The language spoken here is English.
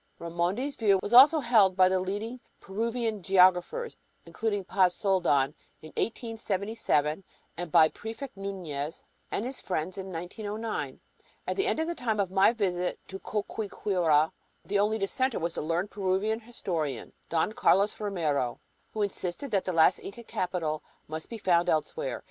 Raimondi's view was also held by the leading Peruvian geographers, including Paz Soldan in 1877, and by Prefect Nuñez and his friends in 1909, at the time of my visit to Choqquequirau. The only dissenter was the learned Peruvian historian, Don Carlos Romero, who insisted that the last Inca capital must be found elsewhere.